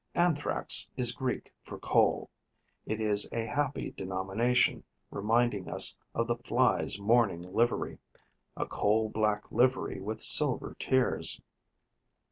Anthrax is Greek for coal. It is a happy denomination, reminding us of the Fly's mourning livery, a coal black livery with silver tears.